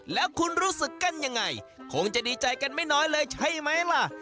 แล้วคุณรู้สึกกันยังไงคงจะดีใจกันไม่น้อยเลยใช่ไหมล่ะ